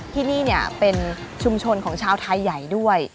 ที่นี่เป็นชุมชนของชาวไทยใหญ่ด้วย